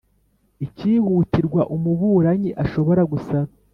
Icyihutirwa umuburanyi ashobora gusaba